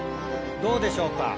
どうでしょうか？